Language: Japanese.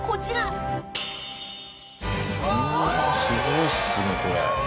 すごいっすね、これ。